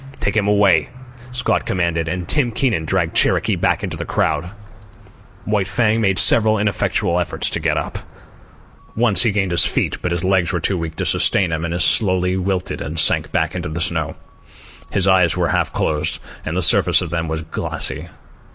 "Take him away," Scott commanded, and Tim Keenan dragged Cherokee back into the crowd. White Fang made several ineffectual efforts to get up. Once he gained his feet, but his legs were too weak to sustain him, and he slowly wilted and sank back into the snow. His eyes were half closed, and the surface of them was glassy.